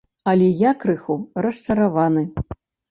Але я крыху расчараваны.